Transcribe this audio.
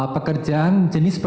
tentara utama saya